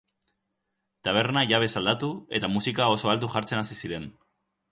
Taberna jabez aldatu, eta musika oso altu jartzen hasi ziren.